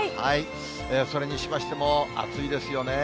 それにしましても、暑いですよね。